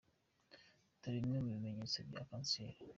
Dore bimwe mu bimenyetso bya kanseri:.